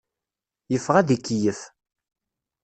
Yeffeɣ ad ikeyyef.